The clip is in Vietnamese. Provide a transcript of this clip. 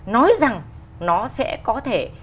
nói rằng nó sẽ có thể